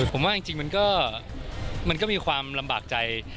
ผมว่าจริงมันก็มีความลำบากใจ